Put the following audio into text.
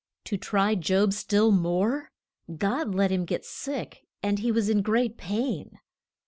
To try Job still more, God let him get sick and he was in great pain.